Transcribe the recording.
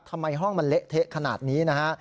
ทำไมห้องมันเละเทะขนาดนี้นะฮะ